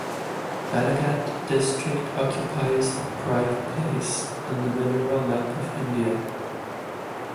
Balaghat district occupies a pride place on the mineral map of India.